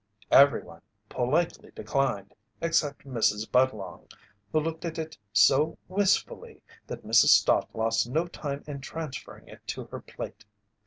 Everyone politely declined except Mrs. Budlong, who looked at it so wistfully that Mrs. Stott lost no time in transferring it to her plate.